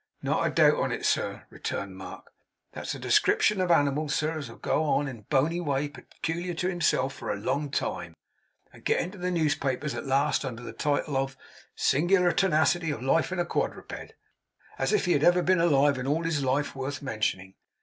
'Not a doubt on it, sir,' returned Mark. 'That's a description of animal, sir, as will go on in a bony way peculiar to himself for a long time, and get into the newspapers at last under the title of "Sing'lar Tenacity of Life in a Quadruped." As if he had ever been alive in all his life, worth mentioning!